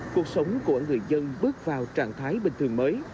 cuộc sống của người dân bước vào trạng thái bình thường mới